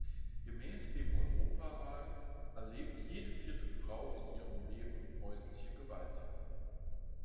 Gemäß dem Europarat erlebt jede vierte Frau in ihrem Leben häusliche Gewalt.